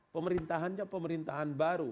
pemerintahannya pemerintahan baru